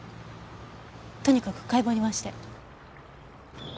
とにかく解剖に回して。